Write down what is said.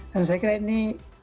dan saya kira ini